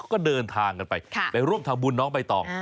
ก็เดินทางกันไปไปร่วมทำบุญน้องใบตอง